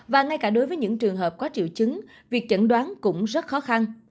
và ngay cả đối với những trường hợp có triệu chứng việc chẩn đoán cũng rất khó khăn